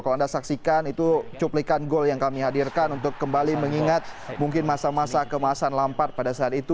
kalau anda saksikan itu cuplikan gol yang kami hadirkan untuk kembali mengingat mungkin masa masa kemasan lampard pada saat itu